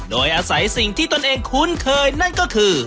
โดยอาศัยสิ่งที่ตนเองคุ้นเคยนั่นก็คือ